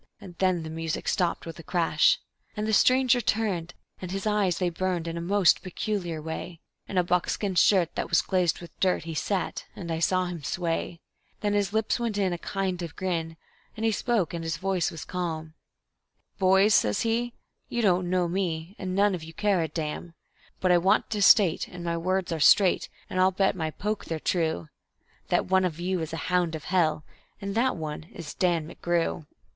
then the music stopped with a crash, And the stranger turned, and his eyes they burned in a most peculiar way; In a buckskin shirt that was glazed with dirt he sat, and I saw him sway; Then his lips went in in a kind of grin, and he spoke, and his voice was calm, And "Boys," says he, "you don't know me, and none of you care a damn; But I want to state, and my words are straight, and I'll bet my poke they're true, That one of you is a hound of hell... and that one is Dan McGrew."